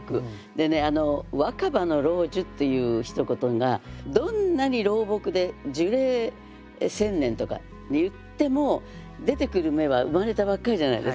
でね「若葉の老樹」っていうひと言がどんなに老木で樹齢１，０００年とかいっても出てくる芽は生まれたばっかりじゃないですか。